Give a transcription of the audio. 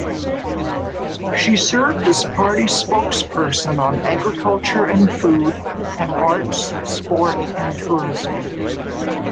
She served as party spokesperson on Agriculture and Food; and Arts, Sport and Tourism.